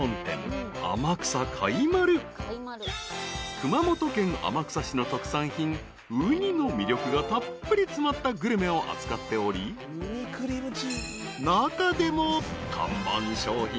［熊本県天草市の特産品うにの魅力がたっぷり詰まったグルメを扱っており中でも］